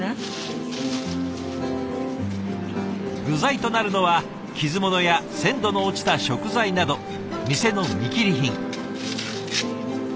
具材となるのは傷物や鮮度の落ちた食材など店の見切り品。